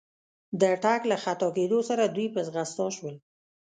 د ټک له خطا کېدو سره دوی په ځغستا شول.